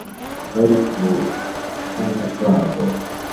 bari ku rutara rwabo,